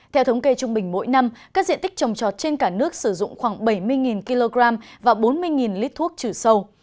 theo thống kê trung bình mỗi năm các diện tích trồng trọt trên cả nước sử dụng khoảng bảy mươi kg và bốn mươi lít thuốc trừ sâu